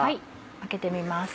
開けてみます